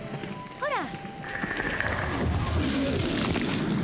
ほら！